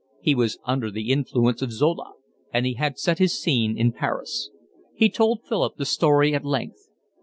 He was under the influence of Zola, and he had set his scene in Paris. He told Philip the story at length.